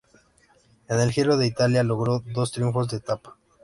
En el Giro de Italia, logró dos triunfos de etapa.